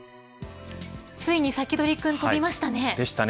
ついにサキドリくん飛びましたね。